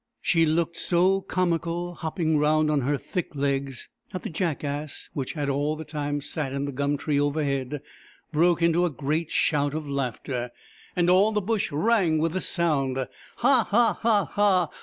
She looked so comical, hop ping round on her thick legs, that the Jackass, which had all the time sat in the gum tree over head, broke into a great shout of laughter, and all the Bush rang with the sound. " Ha ha ha ha